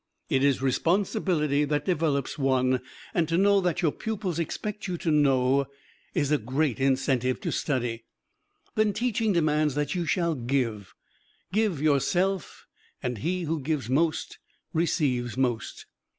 It is responsibility that develops one, and to know that your pupils expect you to know is a great incentive to study. Then teaching demands that you shall give give yourself and he who gives most receives most.